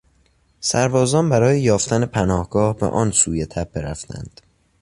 سربازان برای یافتن پناهگاه به آن سوی تپه رفتند.